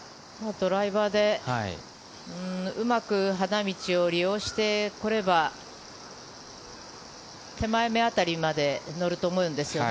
ドライバーでうまく花道を利用してくれば、手前目あたりまで乗ると思うんですよね。